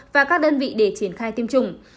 và các đơn vị để triển khai tiêm chủng